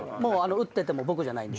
撃ってても僕じゃないんで。